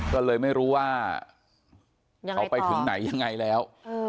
ก็เลยไม่รู้ว่าเขาไปถึงไหนยังไงแล้ว